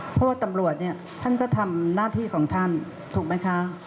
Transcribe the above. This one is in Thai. เพราะว่าตำรวจเนี่ยท่านก็ทำหน้าที่ของท่านถูกไหมคะ